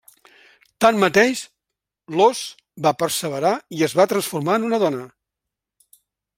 Tanmateix, l'ós va perseverar i es va transformar en una dona.